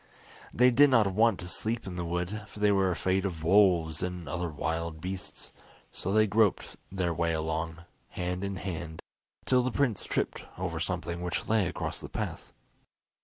They did not want to sleep in the wood, for they were afraid of wolves and other wild beasts, so they groped their way along, hand in hand, till the prince tripped over something which lay across the path.